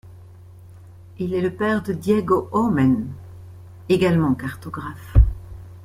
Il est le père de Diego Homem, également cartographe.